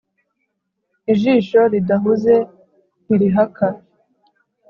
Ijisho ridahuze ntirihaka.